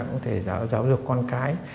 cũng có thể giáo dục con cái